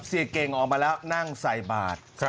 เก่งออกมาแล้วนั่งใส่บาท